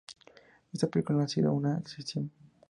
Esta película no ha sido una excepción.